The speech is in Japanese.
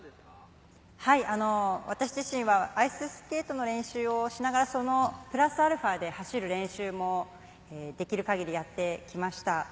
はい、私自身はアイススケートの練習をしながら、プラスアルファで走る練習もできる限りやってきました。